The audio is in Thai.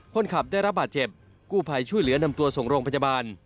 คนขับได้รับบาดเจ็บกู้ภัยช่วยเหลือนำตัวส่งโรงพยาบาล